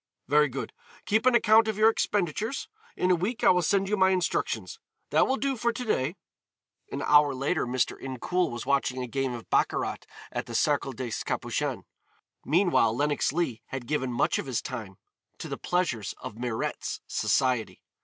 Very good, keep an account of your expenditures. In a week I will send you my instructions. That will do for to day." An hour later Mr. Incoul was watching a game of baccarat at the Cercle des Capucines. Meanwhile Lenox Leigh had given much of his time to the pleasures of Mirette's society.